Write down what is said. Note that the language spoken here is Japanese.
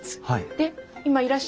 はい。